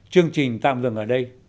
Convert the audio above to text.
chương trình tạm dừng ở đây